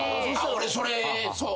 俺それそう。